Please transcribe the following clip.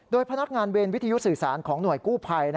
โดยพนักงานเวรวิทยุสื่อสารของหน่วยกู้ภัย